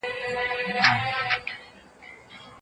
شاګرد د مقالې لیکلو بشپړ مسؤلیت پر غاړه واخیست.